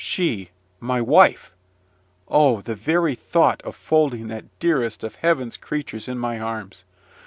She my wife! Oh, the very thought of folding that dearest of Heaven's creatures in my arms!